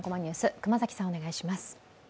熊崎さん、お願いします。